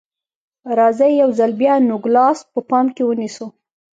راځئ یو ځل بیا نوګالس په پام کې ونیسو.